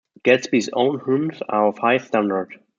Gadsby's own hymns are of a high standard.